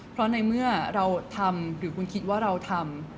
เพราะในเมื่อเราทำหรือคุณคิดว่าเราทำ